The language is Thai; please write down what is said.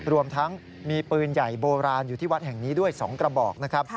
รวมทั้งมีปืนใหญ่โบราณอยู่ที่วัดแห่งนี้ด้วย๒กระบอกนะครับ